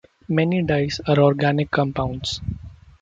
Many dyes are organic compounds.